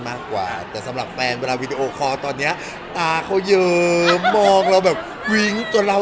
มากกว่าแต่สำหรับแฟนเวลาตอนเนี้ยตาเขาเหยิ้มมองเราแบบล่ะ